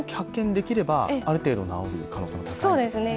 できればある程度治る可能性も高いですか？